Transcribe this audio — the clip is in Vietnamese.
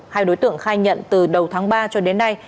hai đối tượng khai nhận từ đầu tháng ba cho đến nay